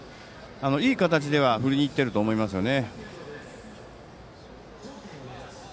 いい形で振りにいってるとは思いますよね。